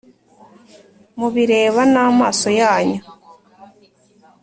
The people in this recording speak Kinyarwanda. mubireba n’amaso yanyu?